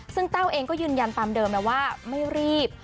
ซึ่งแต้วเองก็ยืนยันตามเดิมนะว่าไม่รีบ